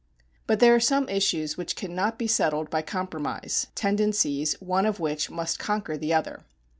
But there are some issues which cannot be settled by compromise, tendencies one of which must conquer the other.